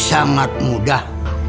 asal kamu menuruti apa kata mbah